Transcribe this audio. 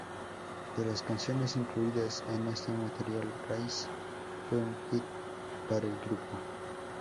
De las canciones incluidas en este material, "Rise" fue un hit para el grupo.